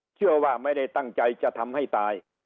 เชื่อว่าไม่ได้ตั้งใจจะทำให้ตาย